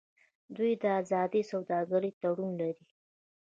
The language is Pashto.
دوی د ازادې سوداګرۍ تړون لري.